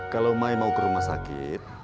kalau mai mau ke rumah sakit